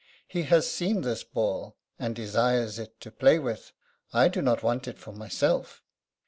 He has seen this ball, and desires it to play with, I do not want it for myself.'